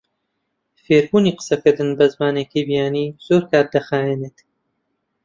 فێربوونی قسەکردن بە زمانێکی بیانی زۆر کات دەخایەنێت.